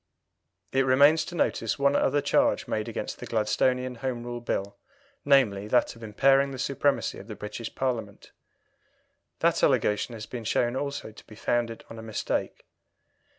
It remains to notice one other charge made against the Gladstonian Home Rule Bill, namely, that of impairing the supremacy of the British Parliament. That allegation has been shown also to be founded on a mistake.